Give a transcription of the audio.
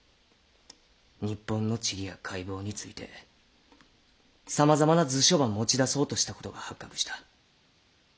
日本の地理や海防についてさまざまな図書ば持ち出そうとしたことが発覚した。